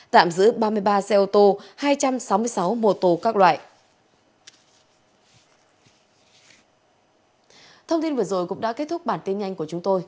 tạm giữ ba mươi ba xe ô tô hai trăm sáu mươi sáu mô tô các loại